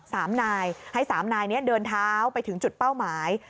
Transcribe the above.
สามนายให้สามนายเนี้ยเดินเท้าไปถึงจุดเป้าหมาย